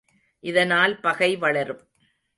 இதனால் பகை வளரும்.